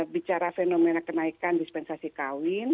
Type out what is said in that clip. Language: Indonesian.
bicara fenomena kenaikan dispensasi kawin